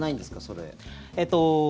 それ。